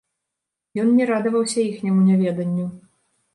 Ён не радаваўся іхняму няведанню.